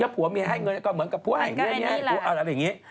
ผัวเมียให้เงินก็เหมือนกับผู้ให้ผัวเอาอะไรอย่างนี้